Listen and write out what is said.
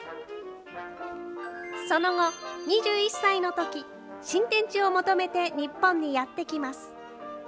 その後、２１歳のとき、新天地を求めて日本にやって来ます。